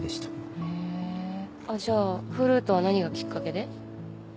へぇじゃあフルートは何がきっかけで？